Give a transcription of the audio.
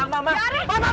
mama gak enak